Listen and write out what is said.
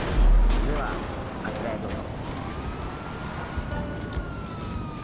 ではあちらへどうぞ。